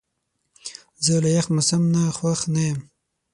زه له یخ موسم نه خوښ نه یم.